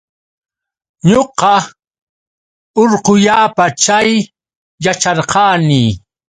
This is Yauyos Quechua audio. Ñuqa urqullapa chay yacharqani.